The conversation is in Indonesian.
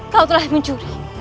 kau telah mencuri